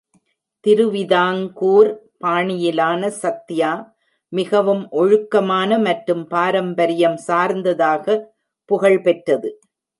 திருவிதாங்கூர் பாணியிலான சத்யா மிகவும் ஒழுக்கமான மற்றும் பாரம்பரியம் சார்ந்ததாக புகழ்பெற்றது.